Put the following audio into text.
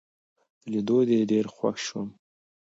په لیدو دي ډېر خوښ شوم